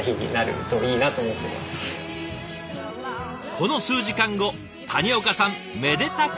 この数時間後谷岡さんめでたくパパに。